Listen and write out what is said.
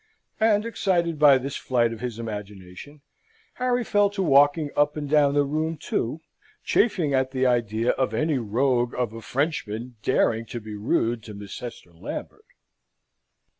And, excited by this flight of his imagination, Harry fell to walking up and down the room, too, chafing at the idea of any rogue of a Frenchman daring to be rude to Miss Hester Lambert.